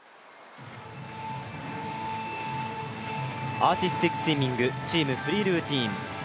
アーティスティックスイミングチーム・フリールーティン。